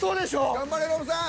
頑張れノブさん！